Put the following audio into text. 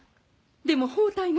でも包帯が！